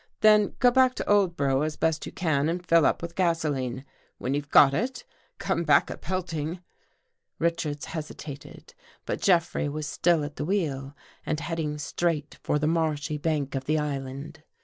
Then go back to Oldborough as best you can and fill up with gasoline. When you've got it, come back a pelting." Richards hesitated, but Jeffrey was still at the wheel and heading straight for the marshy bank of the island.